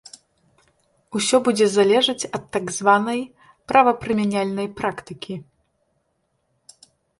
Усё будзе залежыць ад так званай правапрымяняльнай практыкі.